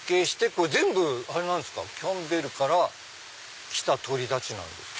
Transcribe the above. これ全部キャンベルから来た鳥たちなんですか？